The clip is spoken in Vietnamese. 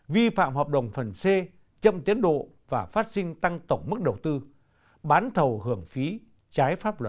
vi phạm hợp đồng phần c chậm tiến độ và phát sinh tăng tổng mức đầu tư bán thầu hưởng phí trái pháp luật